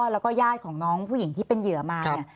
แล้วก็ญาติของน้องผู้หญิงที่เป็นเหยื่อมาเนี่ย